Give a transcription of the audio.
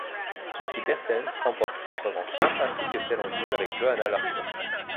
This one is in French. Kiki Bertens remporte l'épreuve en simple, ainsi que celle en double avec Johanna Larsson.